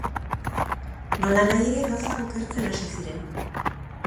Nolanahi ere, gauzak okertzen hasi ziren.